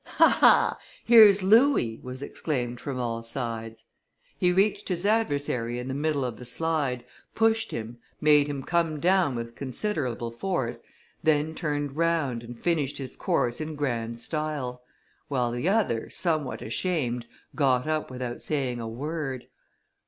"Ha! ha! here's Louis," was exclaimed from all sides. He reached his adversary in the middle of the slide, pushed him, made him come down with considerable force, then turned round, and finished his course in grand style; while the other, somewhat ashamed, got up without saying a word.